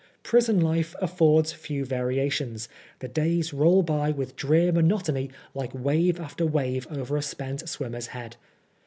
Prison life affords few variations ; the days roll by with drear monotony like wave after wave over a spent swimmer's head.